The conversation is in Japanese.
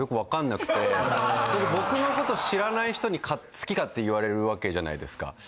だって僕のこと知らない人に好き勝手言われるわけじゃないですか。